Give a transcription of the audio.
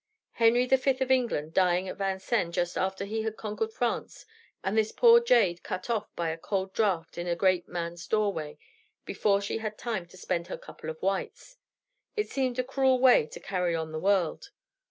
Henry V. of England, dying at Vincennes just after he had conquered France, and this poor jade cut off by a cold draught in a great man's doorway, before she had time to spend her couple of whites it seemed a cruel way to carry on the world.